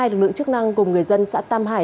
hai lực lượng chức năng cùng người dân xã tam hải